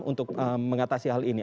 untuk mengatasi hal ini